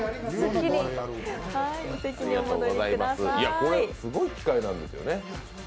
これすごい機械なんですよね。